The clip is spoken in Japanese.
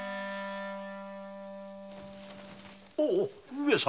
上様